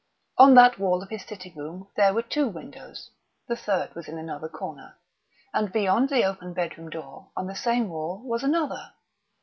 On that wall of his sitting room there were two windows (the third was in another corner), and, beyond the open bedroom door, on the same wall, was another.